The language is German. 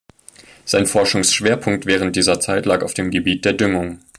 Sein Forschungsschwerpunkt während dieser Zeit lag auf dem Gebiet der Düngung.